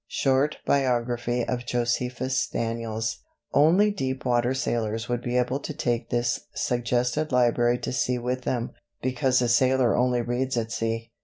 "Short Biography of Josephus Daniels." "Only deep water sailors would be able to take this suggested library to sea with them, because a sailor only reads at sea.